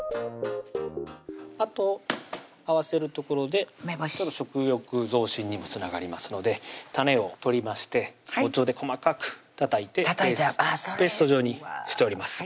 あと合わせるところで食欲増進にもつながりますので種を取りまして包丁で細かくたたいてペースト状にしております